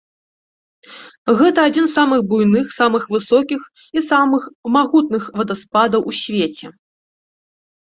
Гэта адзін з самых буйных, самых высокіх і самым магутных вадаспадаў у свеце.